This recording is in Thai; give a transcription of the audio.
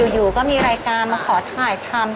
อยู่ก็มีรายการมาขอถ่ายทำ